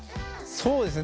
そうですね。